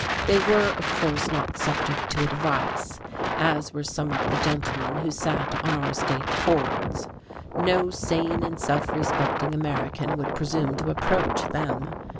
They were, of course, not subject to "advice," as were some of the gentlemen who sat on our state courts; no sane and self respecting American would presume to "approach" them.